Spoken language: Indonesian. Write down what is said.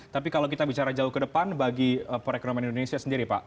tapi kalau kita bicara jauh ke depan bagi perekonomian indonesia sendiri pak